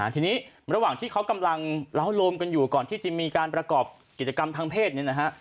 ทีนี้ระหว่างที่เขากำลังเล้าโลมกันอยู่ก่อนที่จะมีการประกอบกิจกรรมทางเพศเนี่ยนะฮะ